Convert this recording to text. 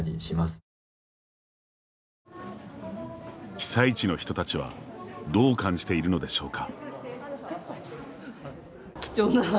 被災地の人たちはどう感じているのでしょうか。